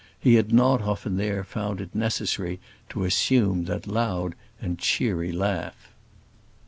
He had not often there found it necessary to assume that loud and cheery laugh.